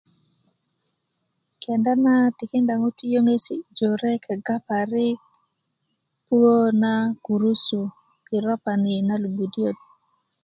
kenda na tikinda ŋutu yoŋesi jore kega parik puö na gurusu i ropani na lubudiyöt